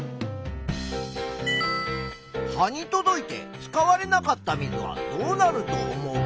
葉に届いて使われなかった水はどうなると思う？